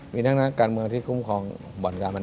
มีทั้งนักการเมืองที่คุ้มครองบ่อนการพน